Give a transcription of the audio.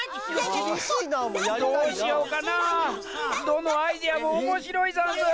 どのアイデアもおもしろいざんす！